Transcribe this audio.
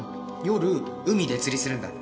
夜海で釣りするんだ。